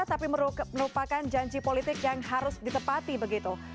tapi merupakan janji politik yang harus ditepati begitu